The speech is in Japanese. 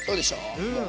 うん！